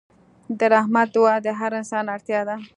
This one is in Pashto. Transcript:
د رحمت دعا د هر انسان اړتیا ده.